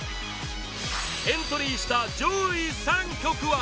エントリーした上位３曲は